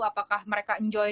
apakah mereka enjoy